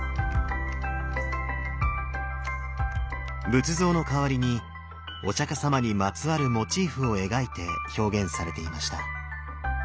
仏像の代わりにお釈様にまつわるモチーフを描いて表現されていました。